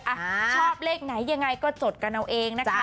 ชอบเลขไหนยังไงก็จดกันเอาเองนะคะ